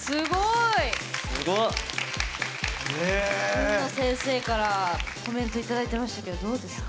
海野先生からコメント頂いてましたけどどうですか？